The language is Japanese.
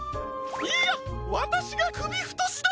いいやわたしがくびふとしだ！